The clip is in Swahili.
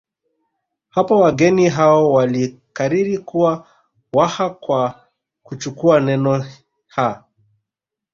Hapo wageni hao walikariri kuwa Waha kwa kuchukua neno ha